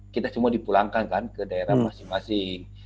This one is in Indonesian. kita semua dipulangkan kan ke daerah masing masing